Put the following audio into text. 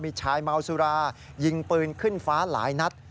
มีชายเมาสุรายิงปืนขึ้นฟ้าหลายนัด